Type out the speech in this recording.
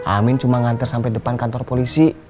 amin cuma nganter sampai depan kantor polisi